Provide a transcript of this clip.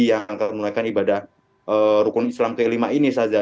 yang akan menunaikan ibadah rukun islam ke lima ini saja